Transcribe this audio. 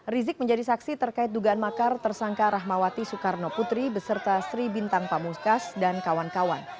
rizik menjadi saksi terkait dugaan makar tersangka rahmawati soekarno putri beserta sri bintang pamuskas dan kawan kawan